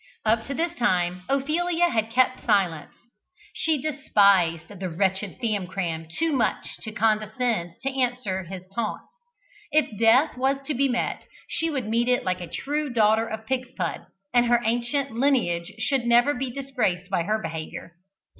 Up to this time Ophelia had kept silence. She despised the wretched Famcram too much to condescend to answer his taunts. If death was to be met, she would meet it like a true daughter of Pigspud, and her ancient lineage should never be disgraced by her behaviour.